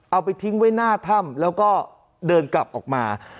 เอาไปทิ้งไว้หน้าถ้ำแล้วก็เดินกลับออกมา